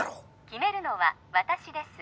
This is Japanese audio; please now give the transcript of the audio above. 決めるのは私です